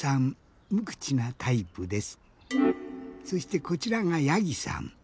そしてこちらがやぎさん。